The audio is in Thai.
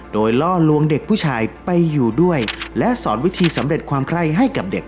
โดยล่อลวงเด็กผู้ชายไปอยู่ด้วยและสอนวิธีสำเร็จความไคร้ให้กับเด็ก